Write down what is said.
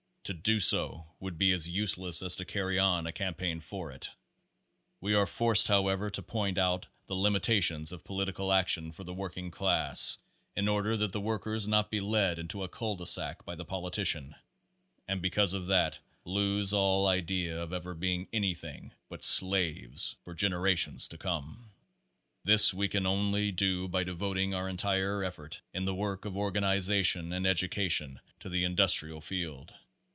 To do so would be as useless as to carry on a campaign for it. Page Forty four We are forced, however, to point out the limitations of political action for the working class in order that the workers be not led into a cul se sac by the politician, and because of that lose all idea of ever being anything but slaves for generations to come. This we can only do by devoting our entire effort in the work of organization and education to the indus trial field.